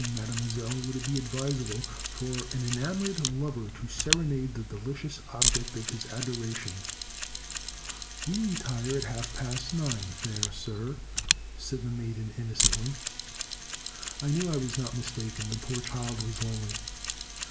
Mademoiselle, would it be advisable for an enamoured lover to serenade the delicious object of his adoration ?"" We retire at half past nine, &ir sir," said the maiden innocently. I knew I was not mistaken. The poor child was lonely.